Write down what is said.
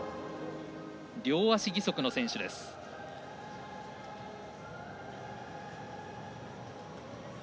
両足義足の選手です。